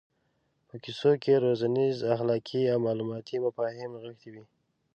په کیسو کې روزنیز اخلاقي او معلوماتي مفاهیم نغښتي وي.